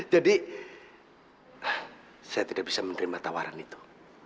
jadi saya tidak bisa menerima tawaran itu